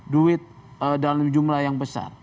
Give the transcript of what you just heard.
duit dalam jumlah yang besar